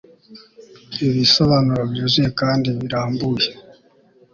ibisobanuro byuzuye kandi birambuye